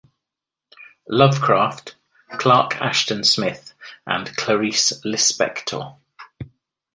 Lovecraft, Clark Ashton Smith and Clarice Lispector.